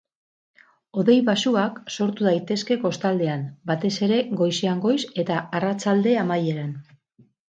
Hodei baxuak sortu daitezke kostaldean, batez ere goizean goiz eta arratsalde amaieran.